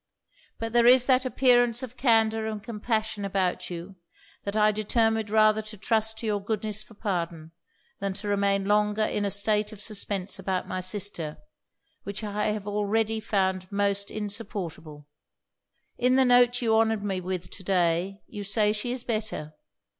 But there is that appearance of candour and compassion about you, that I determined rather to trust to your goodness for pardon, than to remain longer in a state of suspense about my sister, which I have already found most insupportable. In the note you honoured me with to day you say she is better.